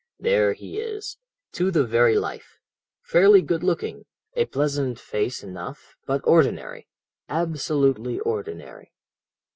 "There he is, to the very life. Fairly good looking, a pleasant face enough, but ordinary, absolutely ordinary.